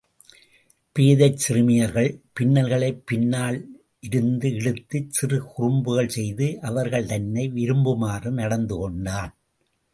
பேதைச் சிறுமியர்கள் பின்னல்களைப் பின்னால் இருந்து இழுத்துச் சிறு குறும்புகள் செய்து அவர்கள் தன்னை விரும்புமாறு நடந்துகொண்டான்.